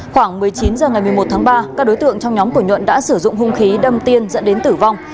khoảng một mươi chín h ngày một mươi một tháng ba các đối tượng trong nhóm của nhuận đã sử dụng hung khí đâm tiên dẫn đến tử vong